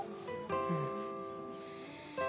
うん。